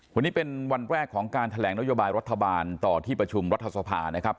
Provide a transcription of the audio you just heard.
วันนี้เป็นวันแรกของการแถลงนโยบายรัฐบาลต่อที่ประชุมรัฐสภานะครับ